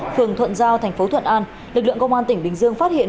phường thuận giao thành phố thuận an lực lượng công an tỉnh bình dương phát hiện